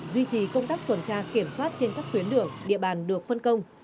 duy trì công tác tuần tra kiểm soát trên các tuyến đường địa bàn được phân công